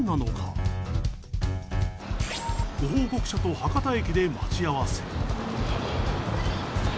ご報告者と博多駅で待ち合わせ。